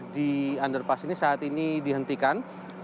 di underpass ini saat ini dihentikan